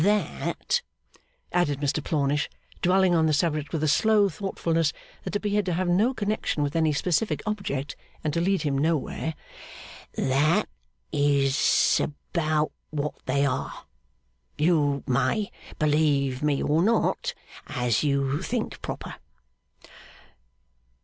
That,' added Mr Plornish, dwelling on the subject with a slow thoughtfulness that appeared to have no connection with any specific object, and to lead him nowhere, 'that is about what they are, you may believe me or not, as you think proper.